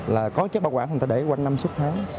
là có cái bao quả người ta để quanh năm suốt tháng